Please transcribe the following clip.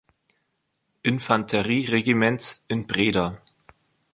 Infanterie-Regiments in Breda.